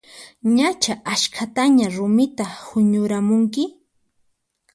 Ñachu askhataña rumita huñuramunki?